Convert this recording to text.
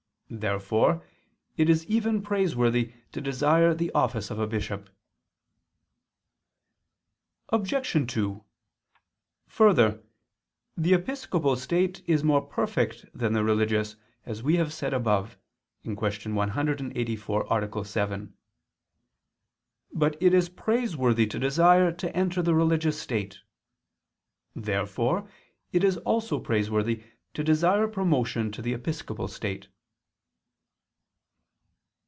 Therefore it is even praiseworthy to desire the office of a bishop. Obj. 2: Further, the episcopal state is more perfect than the religious, as we have said above (Q. 184, A. 7). But it is praiseworthy to desire to enter the religious state. Therefore it is also praiseworthy to desire promotion to the episcopal state.